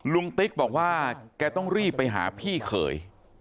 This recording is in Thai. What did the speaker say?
ติ๊กบอกว่าแกต้องรีบไปหาพี่เขย